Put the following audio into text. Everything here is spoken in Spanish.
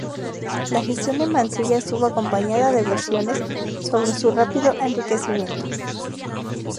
La gestión de Mansilla estuvo acompañada de versiones sobre su rápido enriquecimiento.